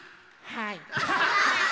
はい。